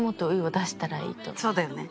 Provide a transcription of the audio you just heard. そうだよね。